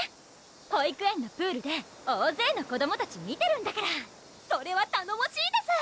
保育園のプールで大勢の子どもたち見てるんだからそれはたのもしいです！